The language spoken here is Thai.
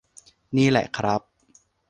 นี่แหละครับ